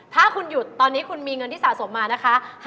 ถ้าคุณหยุดตอนนี้คุณมีเงินที่สะสมมานะคะ